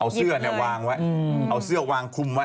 เอาเสื้อเนี่ยวางไว้เอาเสื้อวางคลุมไว้